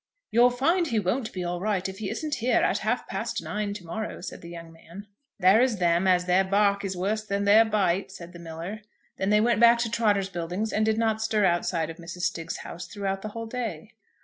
"You'll find he won't be all right if he isn't here at half past nine to morrow," said the young man. "There is them as their bark is worse than their bite," said the miller. Then they went back to Trotter's Buildings, and did not stir outside of Mrs. Stiggs' house throughout the whole day.